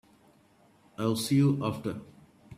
I'll see you after.